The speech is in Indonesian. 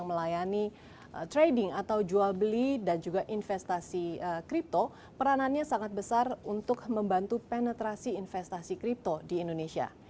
melayani trading atau jual beli dan juga investasi kripto peranannya sangat besar untuk membantu penetrasi investasi kripto di indonesia